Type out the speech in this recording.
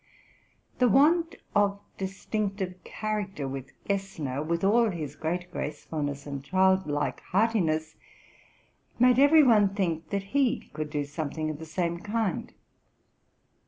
The want of distinctive chai acter with Gessner, with all his great gracefulness and anil like heartiness, made every one think that he could do some thing of the same kind.